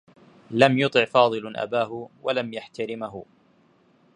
لم يطع فاضل أباه و لم يحترمه.